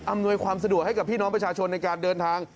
หน่วยความสะดวกให้กับพี่น้องประชาชนในการเดินทาง